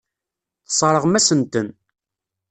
Tesseṛɣem-asen-ten.